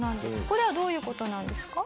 これはどういう事なんですか？